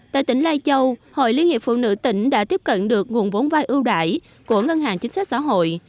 tại tỉnh lai châu hội liên hiệp phụ nữ tỉnh đã tiếp cận được nguồn vốn vai ưu đại của ngân hàng chính sách xã hội